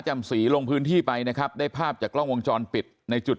สีลงพื้นที่ไปนะครับได้ภาพจากกล้องวงจรปิดในจุด